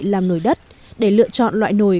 làm nồi đất để lựa chọn loại nồi